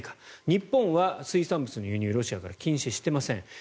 日本は水産物の輸入ロシアから禁止してません。